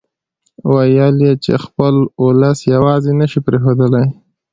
ويل يې چې خپل اولس يواځې نه شي پرېښودلای.